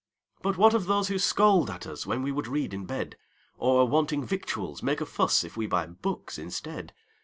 "But what of those who scold at usWhen we would read in bed? Or, wanting victuals, make a fussIf we buy books instead?